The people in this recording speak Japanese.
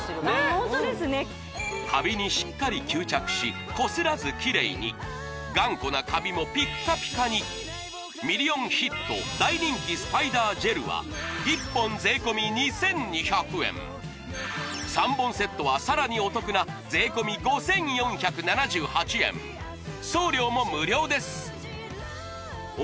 ホントですねカビにしっかり吸着しこすらずキレイに頑固なカビもピッカピカにミリオンヒット大人気スパイダージェルは１本３本セットはさらにお得なすごく気持ちいいんですあ